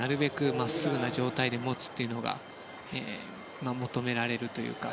真っすぐな状態で持つことが求められるというか。